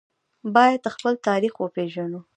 باید خپل تاریخ وپیژنو